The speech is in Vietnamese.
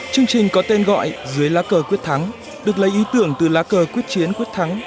chương trình có tên gọi dưới lá cờ quyết thắng được lấy ý tưởng từ lá cờ quyết chiến quyết thắng